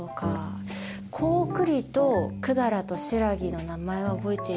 高句麗と百済と新羅の名前は覚えているんだけど場所が。